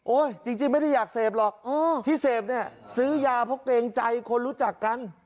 จริงไม่ได้อยากเสพหรอกที่เสพเนี่ยซื้อยาเพราะเกรงใจคนรู้จักกัน